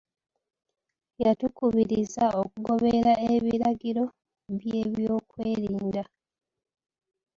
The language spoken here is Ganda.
Yatukubiriza okugoberera ebiragiro by'ebyokwerinda.